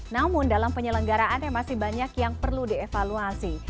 namun dalam penyelenggaraannya masih banyak yang perlu dievaluasi